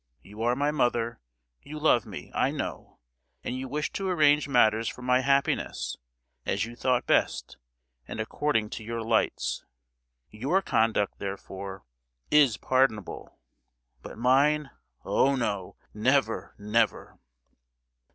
You are my mother; you love me, I know, and you wished to arrange matters for my happiness, as you thought best, and according to your lights. Your conduct, therefore, is pardonable; but mine! oh, no! never, never!"